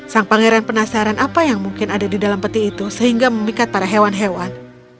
sang pangeran penasaran apa yang mungkin ada di dalam peti itu sehingga memikat para hewan hewan